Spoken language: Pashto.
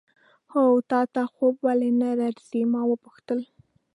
هو، تا ته خوب ولې نه درځي؟ ما وپوښتل.